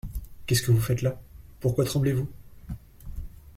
Qu’est-ce que vous faites-là ? pourquoi tremblez-vous ?